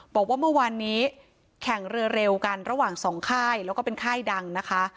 บอกว่าเมื่อวานนี้แข่งเรือเร็วกันระหว่างสองค่ายแล้วก็เป็นค่ายดังนะคะ